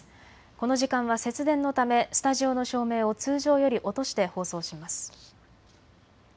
この時間は節電のためスタジオの照明を通常より落として放送します。